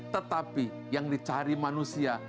tetapi yang dicari manusia